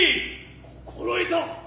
心得た。